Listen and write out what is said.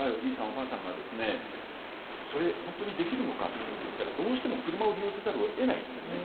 おばあさんがそれ本当にできるのかっていったらどうしても車を利用せざるをえないんですね。